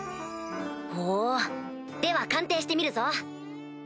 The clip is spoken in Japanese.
ほうでは鑑定してみるぞ。